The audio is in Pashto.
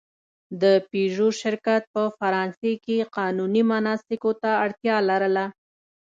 د پيژو شرکت په فرانسې کې قانوني مناسکو ته اړتیا لرله.